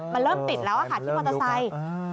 มันเริ่มติดแล้วค่ะที่มอเตอร์ไซค์